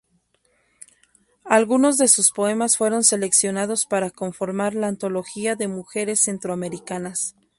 Algunos de sus poemas fueron seleccionados para conformar la Antología de mujeres centroamericanas.